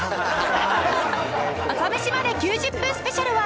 『朝メシまで。』９０分スペシャルは来週！